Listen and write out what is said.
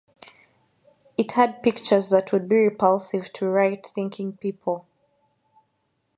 It had pictures that would be repulsive to right-thinking people.